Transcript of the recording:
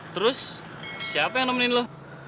terus siapa yang nemenin lo